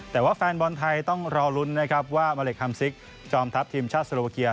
แต่ว่าแฟนบอลไทยต้องรอลุ้นว่าเมล็ดฮัมซิกจอมทัพทีมชาติสุโลวัคเกียร์